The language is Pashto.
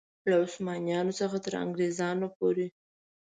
له عثمانیانو څخه تر انګرېزانو پورې.